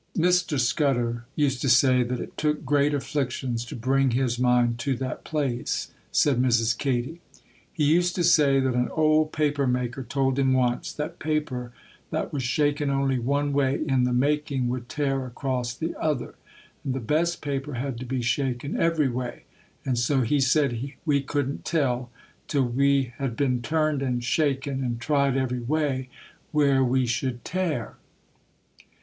'Mr. Scudder used to say that it took great afflictions to bring his mind to that place,' said Mrs. Katy. 'He used to say that an old paper maker told him once, that paper that was shaken only one way in the making would tear across the other, and the best paper had to be shaken every way; and so he said we couldn't tell, till we had been turned and shaken and tried every way, where we should tear.